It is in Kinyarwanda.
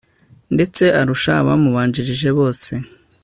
ndetse arusha abamubanjirije bose